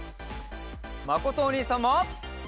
まことおにいさんも！